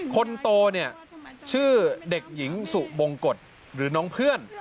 คนโตเนี่ยชื่อเด็กหญิงสุบงกฎหรือน้องเพื่อน